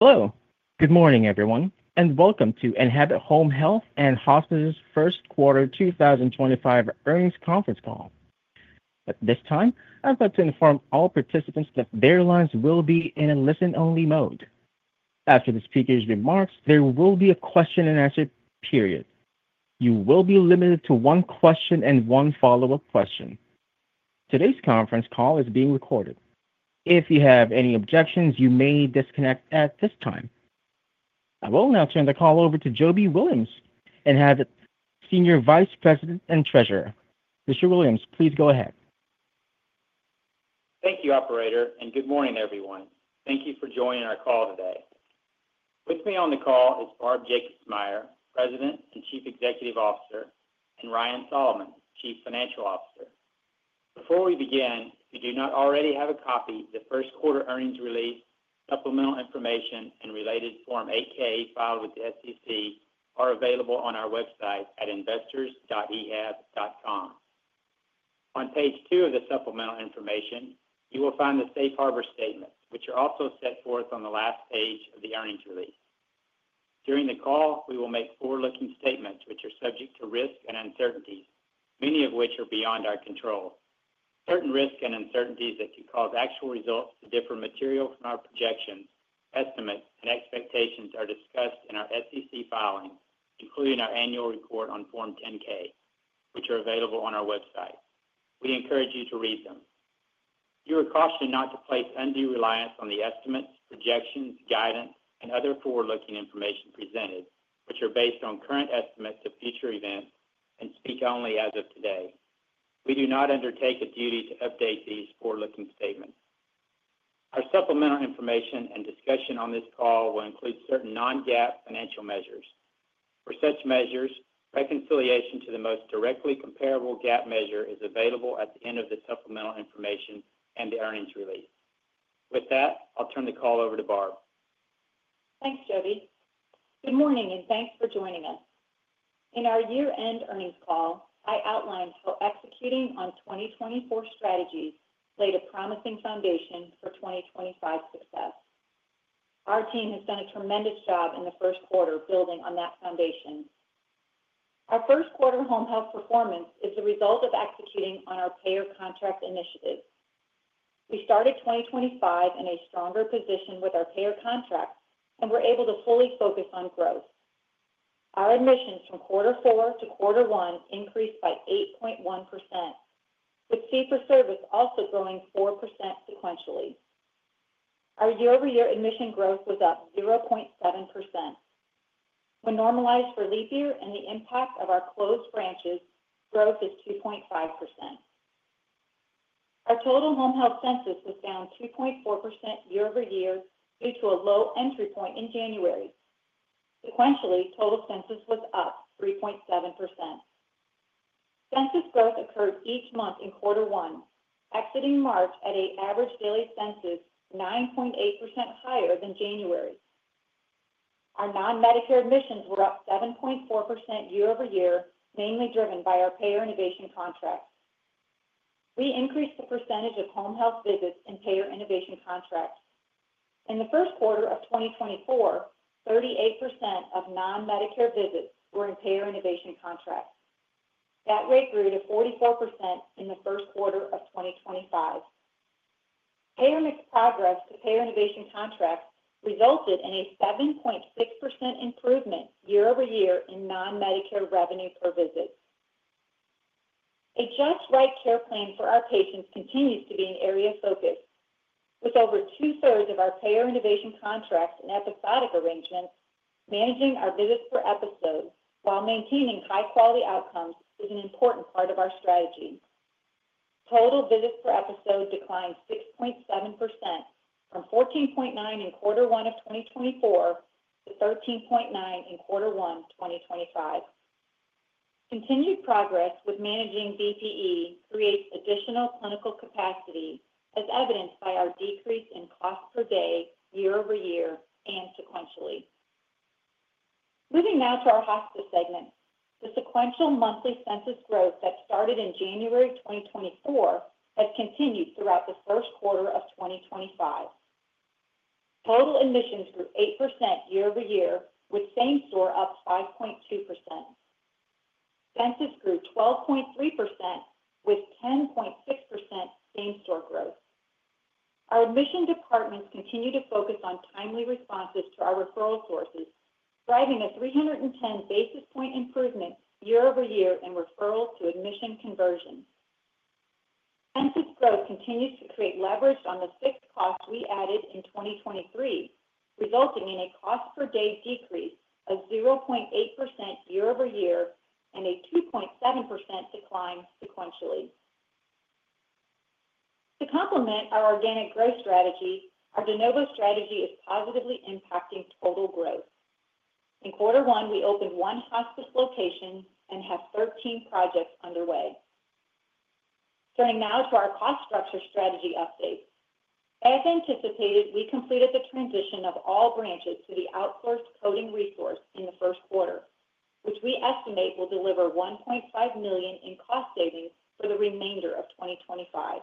Hello. Good morning, everyone, and welcome to Enhabit Home Health and Hospice's first quarter 2025 earnings conference call. At this time, I'd like to inform all participants that their lines will be in a listen-only mode. After the speaker's remarks, there will be a question-and-answer period. You will be limited to one question and one follow-up question. Today's conference call is being recorded. If you have any objections, you may disconnect at this time. I will now turn the call over to Jobie Williams, Senior Vice President and Treasurer. Mr. Williams, please go ahead. Thank you, Operator, and good morning, everyone. Thank you for joining our call today. With me on the call is Barb Jacobsmeyer, President and Chief Executive Officer, and Ryan Solomon, Chief Financial Officer. Before we begin, if you do not already have a copy, the first quarter earnings release, supplemental information, and related Form 8K filed with the SEC are available on our website at investors.ehab.com. On page two of the supplemental information, you will find the safe harbor statements, which are also set forth on the last page of the earnings release. During the call, we will make forward-looking statements, which are subject to risk and uncertainties, many of which are beyond our control. Certain risks and uncertainties that could cause actual results to differ materially from our projections, estimates, and expectations are discussed in our SEC filing, including our annual report on Form 10-K, which are available on our website. We encourage you to read them. You are cautioned not to place undue reliance on the estimates, projections, guidance, and other forward-looking information presented, which are based on current estimates of future events and speak only as of today. We do not undertake a duty to update these forward-looking statements. Our supplemental information and discussion on this call will include certain Non-GAAP financial measures. For such measures, reconciliation to the most directly comparable GAAP measure is available at the end of the supplemental information and the earnings release. With that, I'll turn the call over to Barb. Thanks, Joby. Good morning, and thanks for joining us. In our year-end earnings call, I outlined how executing on 2024 strategies laid a promising foundation for 2025 success. Our team has done a tremendous job in the first quarter building on that foundation. Our first quarter home health performance is the result of executing on our payer contract initiatives. We started 2025 in a stronger position with our payer contract and were able to fully focus on growth. Our admissions from Q4 to Q1 increased by 8.1%, with fee-for-service also growing 4% sequentially. Our year-over-year admission growth was up 0.7%. When normalized for leap year and the impact of our closed branches, growth is 2.5%. Our total home health census was down 2.4% year-over-year due to a low entry point in January. Sequentially, total census was up 3.7%. Census growth occurred each month in Quarter 1, exiting March at an average daily census 9.8% higher than January. Our non-Medicare admissions were up 7.4% year-over-year, mainly driven by our payer innovation contracts. We increased the percentage of home health visits in payer innovation contracts. In the first quarter of 2024, 38% of non-Medicare visits were in payer innovation contracts. That rate grew to 44% in the first quarter of 2025. Payer mix progress to payer innovation contracts resulted in a 7.6% improvement year-over-year in non-Medicare revenue per visit. A just-right care plan for our patients continues to be an area of focus. With over two-thirds of our payer innovation contracts in episodic arrangements, managing our visits per episode while maintaining high-quality outcomes is an important part of our strategy. Total visits per episode declined 6.7% from 14.9 in Quarter 1 of 2024 to 13.9 in Quarter 1, 2025. Continued progress with managing VPE creates additional clinical capacity, as evidenced by our decrease in cost per day, year-over-year, and sequentially. Moving now to our hospital segment, the sequential monthly census growth that started in January 2024 has continued throughout the first quarter of 2025. Total admissions grew 8% year-over-year, with same-store up 5.2%. Census grew 12.3%, with 10.6% same-store growth. Our admission departments continue to focus on timely responses to our referral sources, driving a 310 basis point improvement year-over-year in referrals to admission conversion. Census growth continues to create leverage on the fixed costs we added in 2023, resulting in a cost per day decrease of 0.8% year-over-year and a 2.7% decline sequentially. To complement our organic growth strategy, our de novo strategy is positively impacting total growth. In Quarter 1, we opened one hospital location and have 13 projects underway. Turning now to our cost structure strategy update. As anticipated, we completed the transition of all branches to the outsourced coding resource in the first quarter, which we estimate will deliver $1.5 million in cost savings for the remainder of 2025.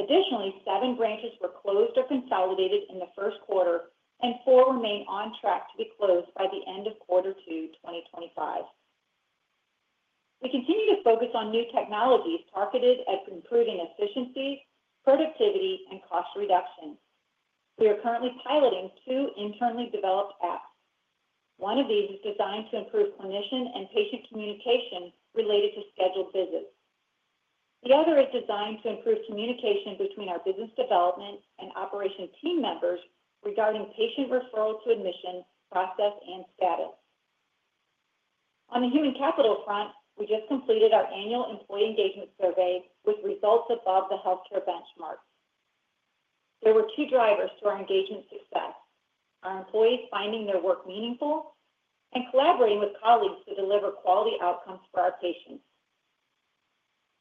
Additionally, seven branches were closed or consolidated in the first quarter, and four remain on track to be closed by the end of quarter two, 2025. We continue to focus on new technologies targeted at improving efficiency, productivity, and cost reduction. We are currently piloting two internally developed apps. One of these is designed to improve clinician and patient communication related to scheduled visits. The other is designed to improve communication between our business development and operation team members regarding patient referral to admission process and status. On the human capital front, we just completed our annual employee engagement survey with results above the healthcare benchmark. There were two drivers to our engagement success: our employees finding their work meaningful and collaborating with colleagues to deliver quality outcomes for our patients.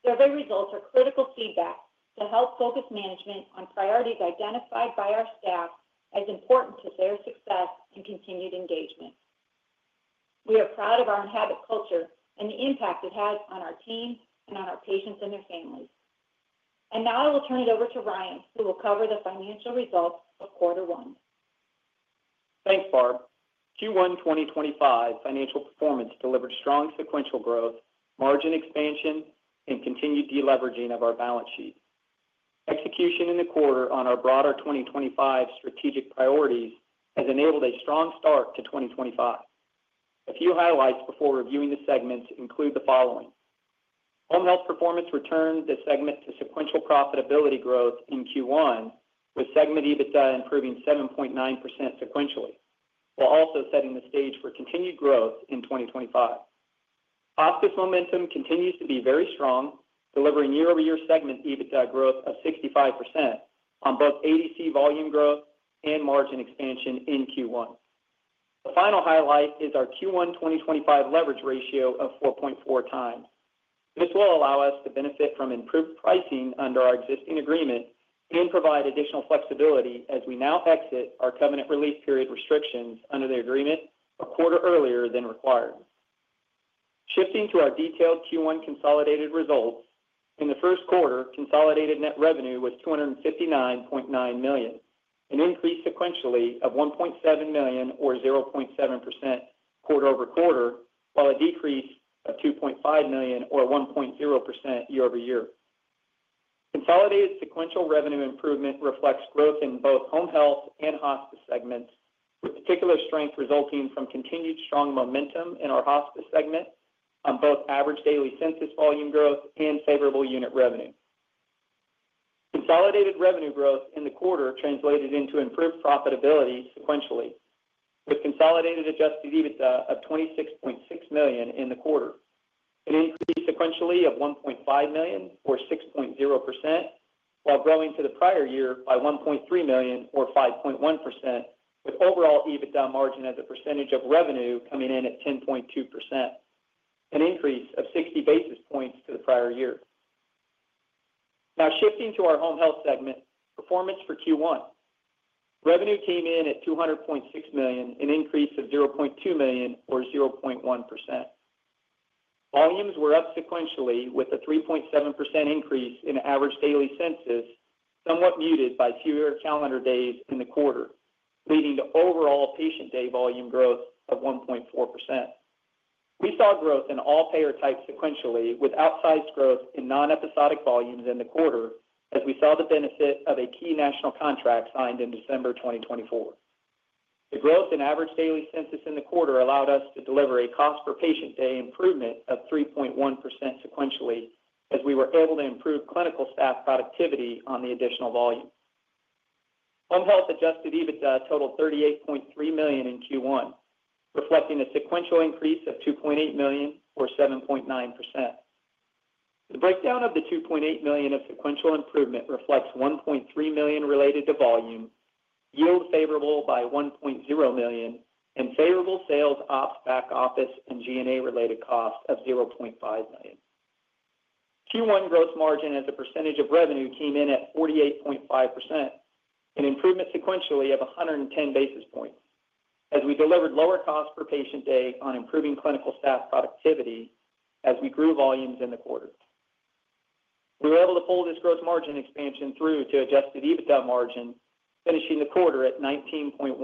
Survey results are critical feedback to help focus management on priorities identified by our staff as important to their success and continued engagement. We are proud of our Enhabit culture and the impact it has on our teams and on our patients and their families. I will turn it over to Ryan, who will cover the financial results of Quarter 1. Thanks, Barb. Q1 2025 financial performance delivered strong sequential growth, margin expansion, and continued deleveraging of our balance sheet. Execution in the quarter on our broader 2025 strategic priorities has enabled a strong start to 2025. A few highlights before reviewing the segments include the following: Home health performance returned the segment to sequential profitability growth in Q1, with segment EBITDA improving 7.9% sequentially, while also setting the stage for continued growth in 2025. Hospice momentum continues to be very strong, delivering year-over-year segment EBITDA growth of 65% on both ADC volume growth and margin expansion in Q1. The final highlight is our Q1 2025 leverage ratio of 4.4 times. This will allow us to benefit from improved pricing under our existing agreement and provide additional flexibility as we now exit our covenant release period restrictions under the agreement a quarter earlier than required. Shifting to our detailed Q1 consolidated results, in the first quarter, consolidated net revenue was $259.9 million, an increase sequentially of $1.7 million or 0.7% quarter over quarter, while a decrease of $2.5 million or 1.0% year-over-year. Consolidated sequential revenue improvement reflects growth in both home health and hospice segments, with particular strength resulting from continued strong momentum in our hospice segment on both average daily census volume growth and favorable unit revenue. Consolidated revenue growth in the quarter translated into improved profitability sequentially, with consolidated adjusted EBITDA of $26.6 million in the quarter, an increase sequentially of $1.5 million or 6.0%, while growing to the prior year by $1.3 million or 5.1%, with overall EBITDA margin as a percentage of revenue coming in at 10.2%, an increase of 60 basis points to the prior year. Now shifting to our home health segment, performance for Q1. Revenue came in at $200.6 million, an increase of $0.2 million or 0.1%. Volumes were up sequentially with a 3.7% increase in average daily census, somewhat muted by fewer calendar days in the quarter, leading to overall patient day volume growth of 1.4%. We saw growth in all payer types sequentially, with outsized growth in non-episodic volumes in the quarter, as we saw the benefit of a key national contract signed in December 2024. The growth in average daily census in the quarter allowed us to deliver a cost per patient day improvement of 3.1% sequentially, as we were able to improve clinical staff productivity on the additional volume. Home health adjusted EBITDA totaled $38.3 million in Q1, reflecting a sequential increase of $2.8 million or 7.9%. The breakdown of the $2.8 million of sequential improvement reflects $1.3 million related to volume, yield favorable by $1.0 million, and favorable sales ops back office and G&A related cost of $0.5 million. Q1 gross margin as a percentage of revenue came in at 48.5%, an improvement sequentially of 110 basis points, as we delivered lower cost per patient day on improving clinical staff productivity as we grew volumes in the quarter. We were able to pull this gross margin expansion through to adjusted EBITDA margin, finishing the quarter at 19.1%,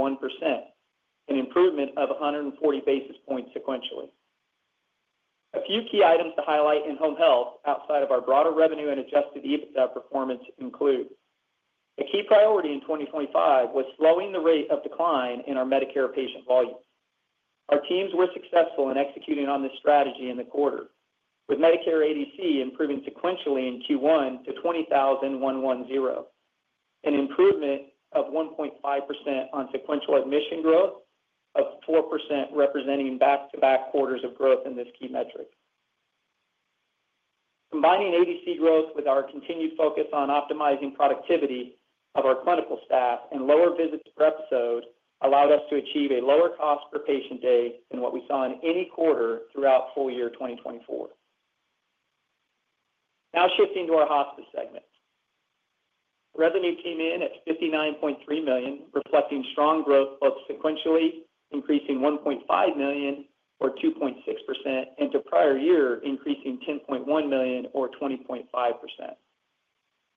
an improvement of 140 basis points sequentially. A few key items to highlight in home health outside of our broader revenue and adjusted EBITDA performance include: a key priority in 2025 was slowing the rate of decline in our Medicare patient volumes. Our teams were successful in executing on this strategy in the quarter, with Medicare ADC improving sequentially in Q1 to 20,110, an improvement of 1.5% on sequential admission growth of 4% representing back-to-back quarters of growth in this key metric. Combining ADC growth with our continued focus on optimizing productivity of our clinical staff and lower visits per episode allowed us to achieve a lower cost per patient day than what we saw in any quarter throughout full year 2024. Now shifting to our hospital segment. Revenue came in at $59.3 million, reflecting strong growth both sequentially increasing $1.5 million or 2.6%, and to prior year increasing $10.1 million or 20.5%.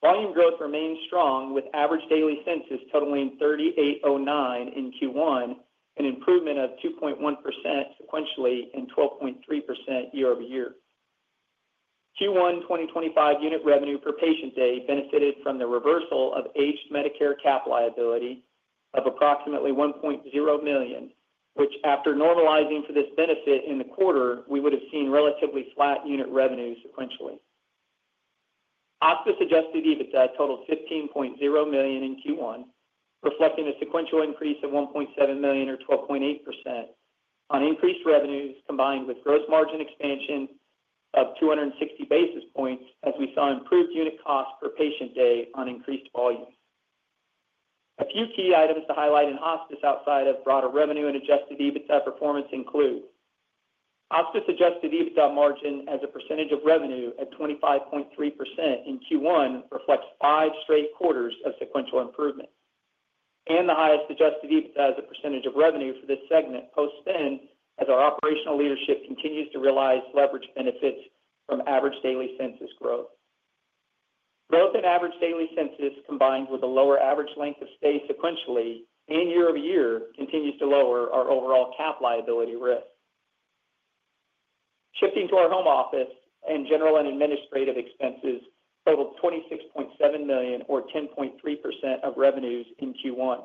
Volume growth remained strong, with average daily census totaling 3,809 in Q1, an improvement of 2.1% sequentially and 12.3% year-over-year. Q1 2025 unit revenue per patient day benefited from the reversal of aged Medicare cap liability of approximately $1.0 million, which after normalizing for this benefit in the quarter, we would have seen relatively flat unit revenue sequentially. Hospice adjusted EBITDA totaled $15.0 million in Q1, reflecting a sequential increase of $1.7 million or 12.8% on increased revenues combined with gross margin expansion of 260 basis points, as we saw improved unit cost per patient day on increased volumes. A few key items to highlight in hospice outside of broader revenue and adjusted EBITDA performance include: hospice adjusted EBITDA margin as a percentage of revenue at 25.3% in Q1 reflects five straight quarters of sequential improvement, and the highest adjusted EBITDA as a percentage of revenue for this segment post-spend, as our operational leadership continues to realize leverage benefits from average daily census growth. Growth in average daily census combined with a lower average length of stay sequentially and year-over-year continues to lower our overall cap liability risk. Shifting to our home office and general and administrative expenses totaled $26.7 million or 10.3% of revenues in Q1,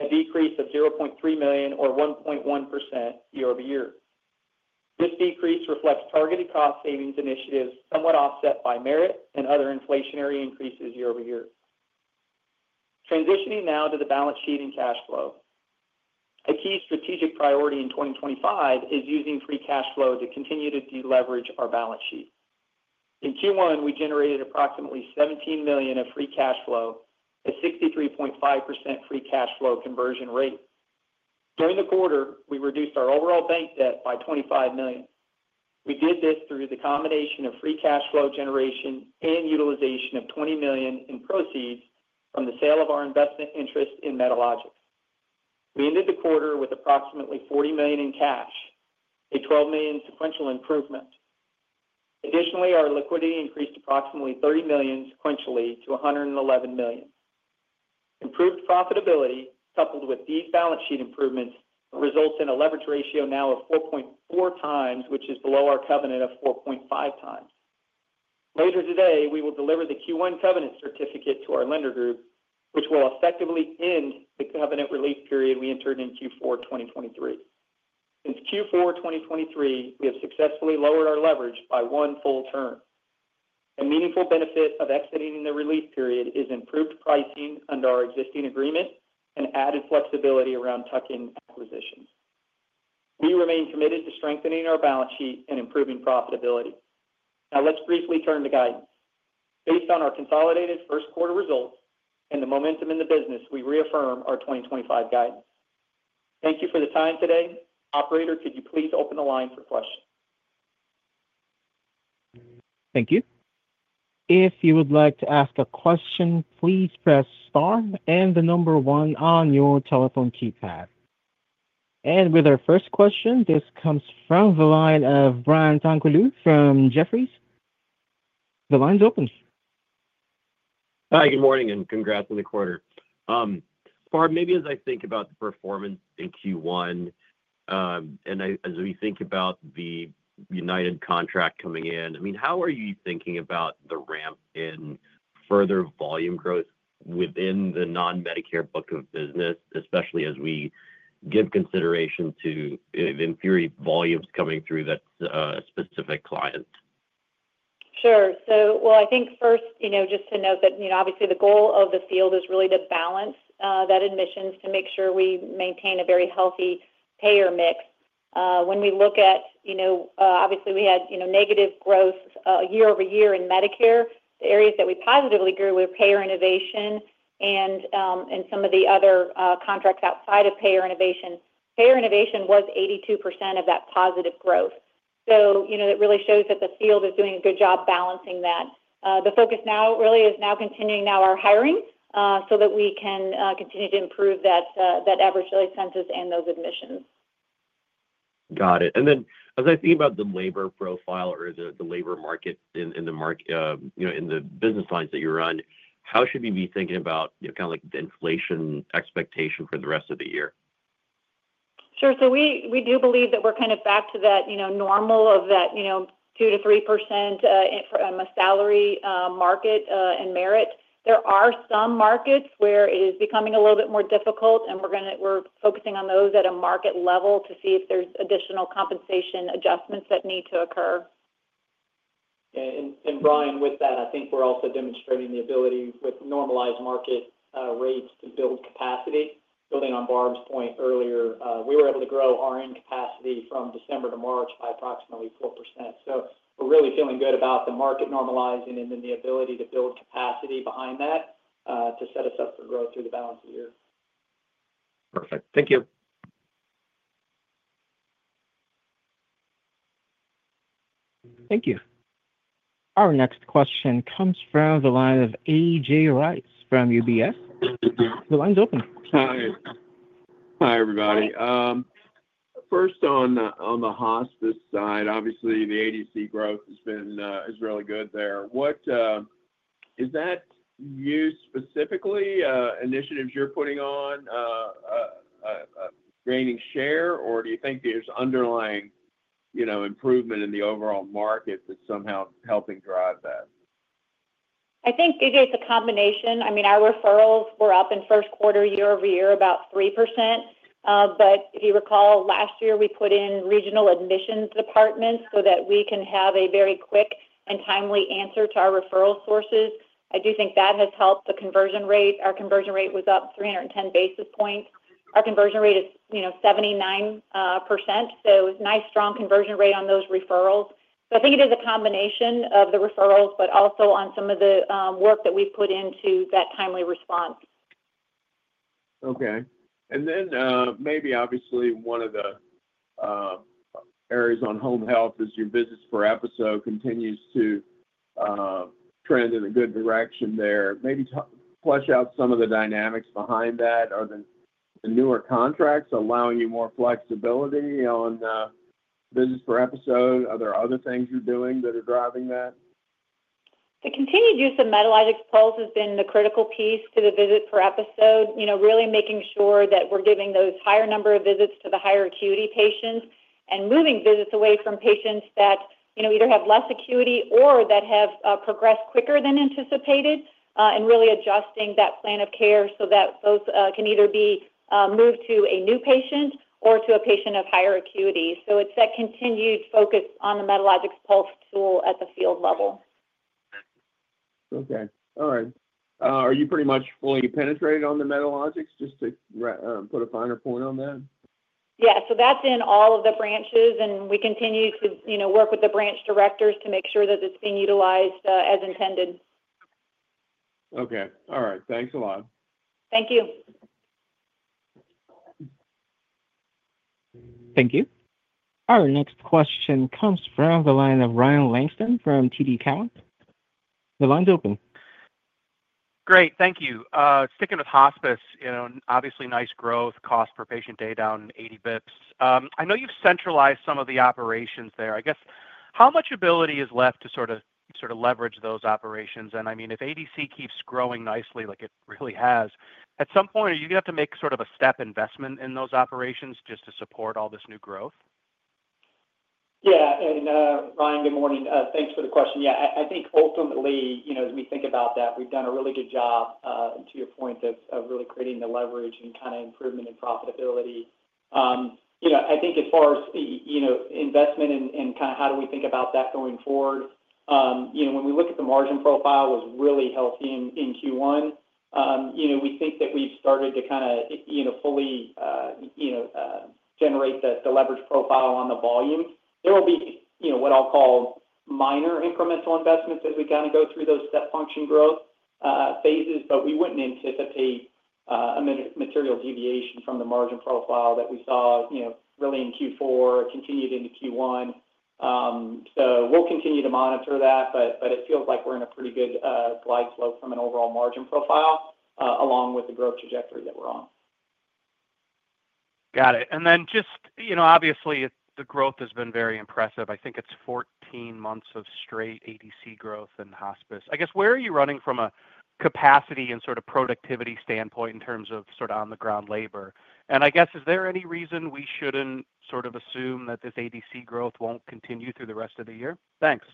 a decrease of $0.3 million or 1.1% year-over-year. This decrease reflects targeted cost savings initiatives somewhat offset by merit and other inflationary increases year-over-year. Transitioning now to the balance sheet and cash flow. A key strategic priority in 2025 is using free cash flow to continue to deleverage our balance sheet. In Q1, we generated approximately $17 million of free cash flow, a 63.5% free cash flow conversion rate. During the quarter, we reduced our overall bank debt by $25 million. We did this through the combination of free cash flow generation and utilization of $20 million in proceeds from the sale of our investment interest in Metalogyx. We ended the quarter with approximately $40 million in cash, a $12 million sequential improvement. Additionally, our liquidity increased approximately $30 million sequentially to $111 million. Improved profitability coupled with these balance sheet improvements results in a leverage ratio now of 4.4 times, which is below our covenant of 4.5 times. Later today, we will deliver the Q1 covenant certificate to our lender group, which will effectively end the covenant release period we entered in Q4 2023. Since Q4 2023, we have successfully lowered our leverage by one full turn. A meaningful benefit of exiting the release period is improved pricing under our existing agreement and added flexibility around tuck-in acquisitions. We remain committed to strengthening our balance sheet and improving profitability. Now let's briefly turn to guidance. Based on our consolidated first quarter results and the momentum in the business, we reaffirm our 2025 guidance. Thank you for the time today. Operator, could you please open the line for questions? Thank you. If you would like to ask a question, please press star and the number one on your telephone keypad. With our first question, this comes from the line of Brian Tanquilut from Jefferies. The line's open. Hi, good morning, and congrats on the quarter. Barb, maybe as I think about the performance in Q1, and as we think about the United contract coming in, I mean, how are you thinking about the ramp in further volume growth within the non-Medicare book of business, especially as we give consideration to, in theory, volumes coming through that, specific clients? Sure. I think first, you know, just to note that, you know, obviously the goal of the field is really to balance admissions to make sure we maintain a very healthy payer mix. When we look at, you know, obviously we had, you know, negative growth year-over-year in Medicare. The areas that we positively grew were payer innovation and some of the other contracts outside of payer innovation. Payer innovation was 82% of that positive growth. So, you know, that really shows that the field is doing a good job balancing that. The focus now really is now continuing our hiring, so that we can continue to improve that average daily census and those admissions. Got it. As I think about the labor profile or the labor market in the business lines that you run, how should we be thinking about, you know, kind of like the inflation expectation for the rest of the year? Sure. We do believe that we're kind of back to that, you know, normal of that, you know, 2-3% in a salary, market, and merit. There are some markets where it is becoming a little bit more difficult, and we're going to, we're focusing on those at a market level to see if there's additional compensation adjustments that need to occur. Brian, with that, I think we're also demonstrating the ability with normalized market rates to build capacity. Building on Barb's point earlier, we were able to grow our capacity from December to March by approximately 4%. We're really feeling good about the market normalizing and then the ability to build capacity behind that, to set us up for growth through the balance of the year. Perfect. Thank you. Thank you. Our next question comes from the line of A.J. Rice from UBS. The line's open. Hi. Hi, everybody. First, on the hospice side, obviously the ADC growth has been, is really good there. What, is that you specifically, initiatives you're putting on, gaining share, or do you think there's underlying, you know, improvement in the overall market that's somehow helping drive that? I think it is a combination. I mean, our referrals were up in first quarter year-over-year about 3%. If you recall, last year we put in regional admissions departments so that we can have a very quick and timely answer to our referral sources. I do think that has helped the conversion rate. Our conversion rate was up 310 basis points. Our conversion rate is, you know, 79%. It was a nice strong conversion rate on those referrals. I think it is a combination of the referrals, but also on some of the work that we've put into that timely response. Okay. Maybe obviously one of the areas on home health is your business per episode continues to trend in a good direction there. Maybe touch out some of the dynamics behind that or the newer contracts allowing you more flexibility on business per episode. Are there other things you're doing that are driving that? The continued use of Metalogyx Pulse has been the critical piece to the visit per episode, you know, really making sure that we're giving those higher number of visits to the higher acuity patients and moving visits away from patients that, you know, either have less acuity or that have progressed quicker than anticipated, and really adjusting that plan of care so that those can either be moved to a new patient or to a patient of higher acuity. It is that continued focus on the Metalogyx Pulse tool at the field level. Okay. All right. Are you pretty much fully penetrated on the Metalogyx, just to put a finer point on that? Yeah. So that's in all of the branches, and we continue to, you know, work with the branch directors to make sure that it's being utilized as intended. Okay. All right. Thanks a lot. Thank you. Thank you. Our next question comes from the line of Ryan Langston from TD Cowen. The line's open. Great. Thank you. Sticking with hospice, you know, obviously nice growth, cost per patient day down 80 basis points. I know you've centralized some of the operations there. I guess how much ability is left to sort of, sort of leverage those operations? I mean, if ADC keeps growing nicely, like it really has, at some point, are you going to have to make sort of a step investment in those operations just to support all this new growth? Yeah. Ryan, good morning. Thanks for the question. I think ultimately, you know, as we think about that, we've done a really good job, to your point, of really creating the leverage and kind of improvement in profitability. You know, I think as far as, you know, investment and kind of how do we think about that going forward, you know, when we look at the margin profile, it was really healthy in Q1. We think that we've started to kind of, you know, fully generate the leverage profile on the volume. There will be, you know, what I'll call minor incremental investments as we kind of go through those step function growth phases, but we wouldn't anticipate a material deviation from the margin profile that we saw, you know, really in Q4, continued into Q1. We'll continue to monitor that, but it feels like we're in a pretty good glide slope from an overall margin profile, along with the growth trajectory that we're on. Got it. And then just, you know, obviously the growth has been very impressive. I think it's 14 months of straight ADC growth in hospice. I guess where are you running from a capacity and sort of productivity standpoint in terms of sort of on-the-ground labor? And I guess, is there any reason we shouldn't sort of assume that this ADC growth won't continue through the rest of the year? Thanks.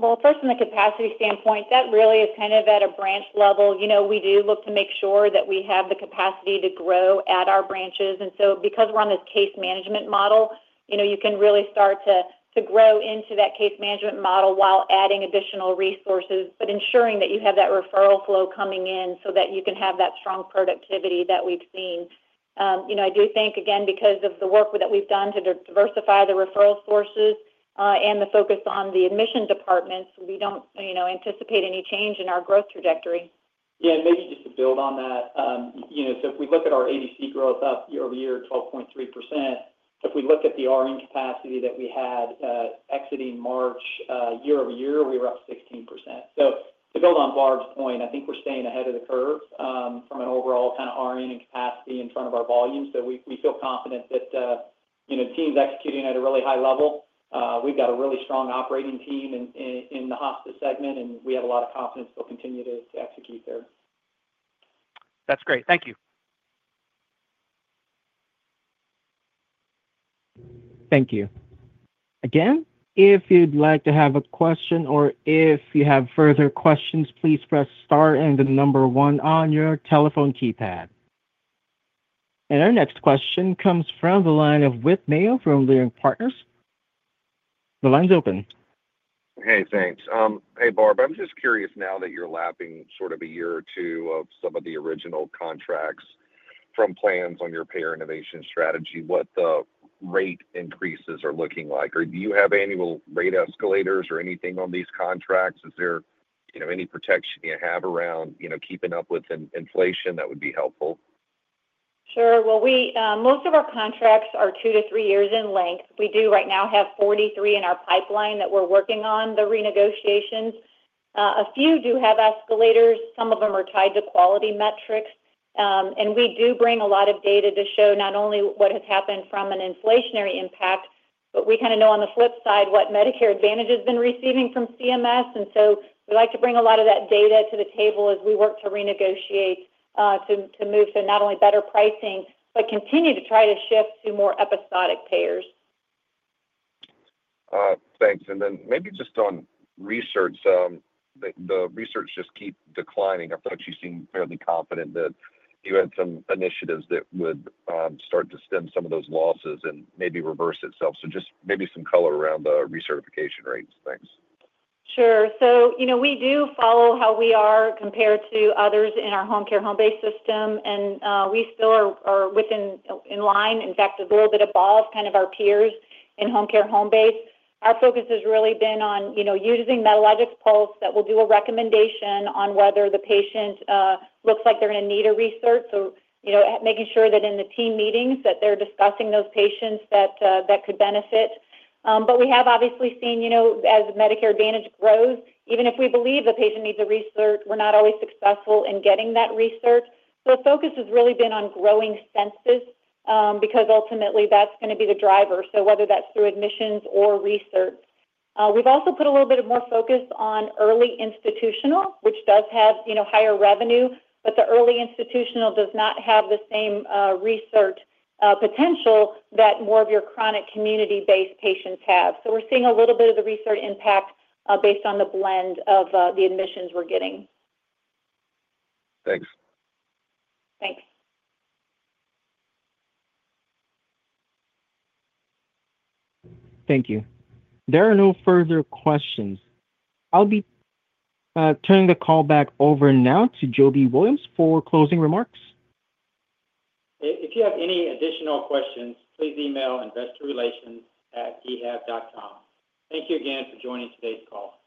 First, from the capacity standpoint, that really is kind of at a branch level. You know, we do look to make sure that we have the capacity to grow at our branches. And so because we're on this case management model, you know, you can really start to grow into that case management model while adding additional resources, but ensuring that you have that referral flow coming in so that you can have that strong productivity that we've seen. You know, I do think, again, because of the work that we've done to diversify the referral sources, and the focus on the admissions departments, we don't, you know, anticipate any change in our growth trajectory. Yeah. Maybe just to build on that, you know, if we look at our ADC growth up year-over-year at 12.3%, if we look at the RN capacity that we had exiting March, year-over-year, we were up 16%. To build on Barb's point, I think we're staying ahead of the curve from an overall kind of RN and capacity in front of our volume. We feel confident that, you know, the team's executing at a really high level. We've got a really strong operating team in the hospice segment, and we have a lot of confidence they'll continue to execute there. That's great. Thank you. Thank you. Again, if you'd like to have a question or if you have further questions, please press star and the number one on your telephone keypad. Our next question comes from the line of Whit Mayo from Leerink Partners. The line's open. Hey, thanks. Hey, Barb, I'm just curious now that you're lapping sort of a year or two of some of the original contracts from plans on your payer innovation strategy, what the rate increases are looking like? Or do you have annual rate escalators or anything on these contracts? Is there, you know, any protection you have around, you know, keeping up with inflation that would be helpful? Sure. Most of our contracts are two to three years in length. We do right now have 43 in our pipeline that we're working on the renegotiations. A few do have escalators. Some of them are tied to quality metrics. We do bring a lot of data to show not only what has happened from an inflationary impact, but we kind of know on the flip side what Medicare Advantage has been receiving from CMS. We like to bring a lot of that data to the table as we work to renegotiate, to move to not only better pricing, but continue to try to shift to more episodic payers. Thanks. Maybe just on research, the research just keeps declining. I thought you seemed fairly confident that you had some initiatives that would start to stem some of those losses and maybe reverse itself. Maybe some color around the recertification rates. Thanks. Sure. You know, we do follow how we are compared to others in our home care home-based system. We still are within, in fact, a little bit above kind of our peers in home care home-based. Our focus has really been on, you know, using Metalogyx Pulse that will do a recommendation on whether the patient looks like they're going to need a recert. You know, making sure that in the team meetings they're discussing those patients that could benefit. We have obviously seen, as Medicare Advantage grows, even if we believe the patient needs a recert, we're not always successful in getting that recert. The focus has really been on growing census, because ultimately that's going to be the driver, whether that's through admissions or recert. We've also put a little bit of more focus on early institutional, which does have, you know, higher revenue, but the early institutional does not have the same research potential that more of your chronic community-based patients have. We are seeing a little bit of the research impact, based on the blend of the admissions we're getting. Thanks. Thanks. Thank you. There are no further questions. I'll be turning the call back over now to Jobie Williams for closing remarks. If you have any additional questions, please email investorrelations@enhabit.com. Thank you again for joining today's call.